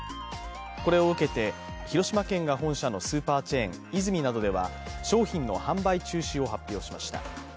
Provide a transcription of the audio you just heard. これを受けて、広島県が本社のスーパーチェーン、イズミなどでは商品の販売中止を発表しました。